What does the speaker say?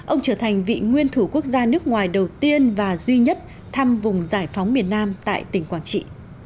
ông trở thành vị nguyên thủ quốc gia nước ngoài đầu tiên và duy nhất thăm vùng giải phóng miền nam tại tỉnh quảng trị